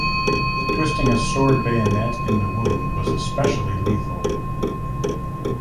Twisting a sword bayonet in the wound was especially lethal.